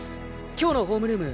今日のホームルーム